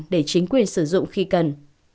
để chính quyền sử dụng khi cần